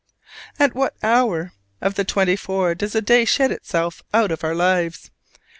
At what hour of the twenty four does a day shed itself out of our lives?